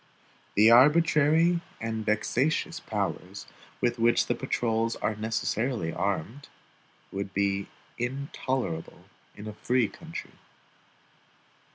The arbitrary and vexatious powers with which the patrols are necessarily armed, would be intolerable in a free country.